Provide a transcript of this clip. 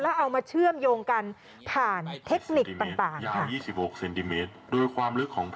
แล้วเอามาเชื่อมโยงกันผ่านเทคนิคต่างค่ะ